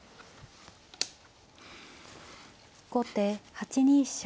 後手８二飛車。